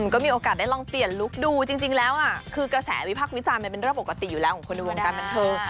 ก็มีโอกาสได้ลองเปลี่ยนลุคดูจริงแล้วคือกระแสวิพักษ์วิจารณ์มันเป็นเรื่องปกติอยู่แล้วของคนในวงการบันเทิง